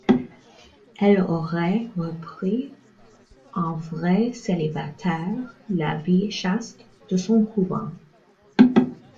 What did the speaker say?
Elle aurait repris en vraie célibataire la vie chaste de son couvent.